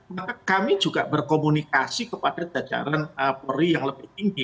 maka kami juga berkomunikasi kepada jajaran polri yang lebih tinggi